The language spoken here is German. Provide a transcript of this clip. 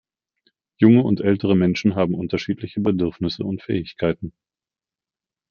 Junge und ältere Menschen haben unterschiedliche Bedürfnisse und Fähigkeiten.